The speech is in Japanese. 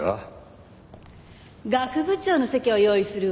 学部長の席を用意するわ。